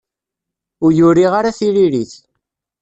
Ur uriɣ ara tiririt.